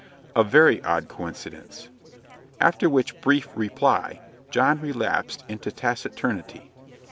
"A very odd coincidence." After which brief reply John relapsed into taciturnity.